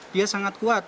dia sangat kuat